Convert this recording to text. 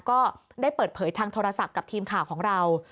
ก็ได้เปิดเผยทางโทรศัพท์กับทีมข่าวของเรา